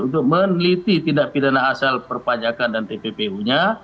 untuk meneliti tindak pidana asal perpajakan dan tppu nya